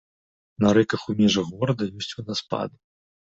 На рэках у межах горада ёсць вадаспады.